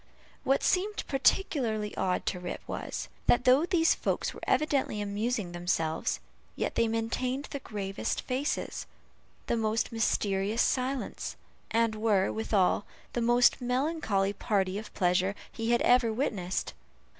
What seemed particularly odd to Rip was, that though these folks were evidently amusing themselves, yet they maintained the gravest faces, the most mysterious silence, and were, withal, the most melancholy party of pleasure he had ever witnessed.